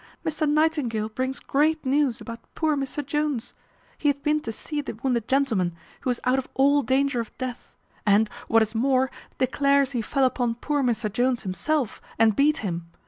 Mr Nightingale brings great news about poor Mr Jones: he hath been to see the wounded gentleman, who is out of all danger of death, and, what is more, declares he fell upon poor Mr Jones himself, and beat him.